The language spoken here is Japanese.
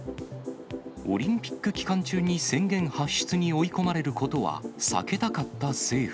オリンピック期間中に宣言発出に追い込まれることは避けたかった政府。